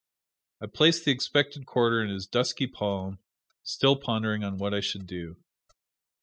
I placed the expected quarter in his dusky palm, still pondering on what I should do.